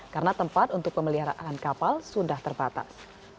karena tempat untuk pemeliharaan kapal sudah terbatas